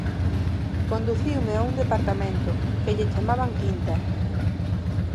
Conduciume a un departamento, que lle chamaban quinta;